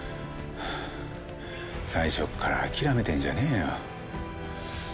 最初から諦めてんじゃねえよ。